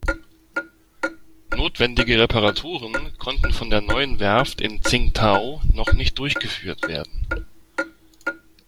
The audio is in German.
Notwendige Reparaturen konnten von der neuen Werft in Tsingtau noch nicht durchgeführt werden.